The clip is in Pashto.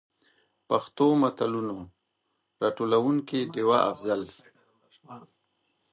پښتو متلونو: راټولونکې ډيـوه افـضـل.